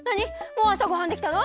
もうあさごはんできたの？